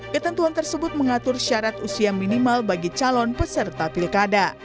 ketentuan tersebut mengatur syarat usia minimal bagi calon peserta pilkada